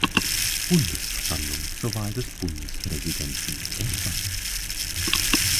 Bundesversammlung zur Wahl des Bundespräsidenten entsandt.